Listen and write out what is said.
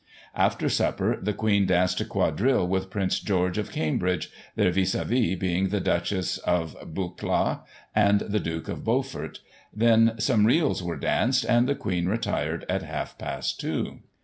After supper, the Queen danced a quadrille with Prince George of Cambridge, their vis a vis being the Duchess of Buccleugh and the Duke of Beaufort ; then some reels were danced, and the Queen retired at half past two.